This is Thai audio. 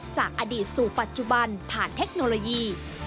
จากอดีตสู่ปัจจุบันผ่านเทคโนโลยี